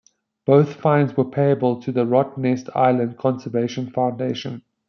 Both fines were payable to the Rottnest Island Conservation Foundation.